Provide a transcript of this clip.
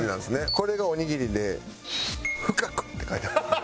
これがおにぎりで「深く」って書いてある。